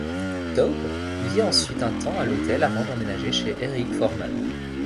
Taub vit ensuite un temps à l'hôtel avant d'emménager chez Eric Foreman.